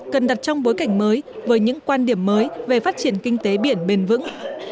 cần đặt trong bối cảnh mới với những quan điểm mới về phát triển kinh tế biển bền vững